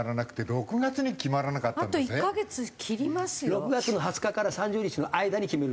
６月の２０日から３０日の間に決めるらしいです。